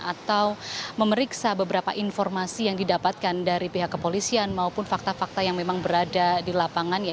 atau memeriksa beberapa informasi yang didapatkan dari pihak kepolisian maupun fakta fakta yang memang berada di lapangan